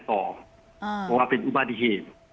เพราะว่าเป็นอุบัติเหตุ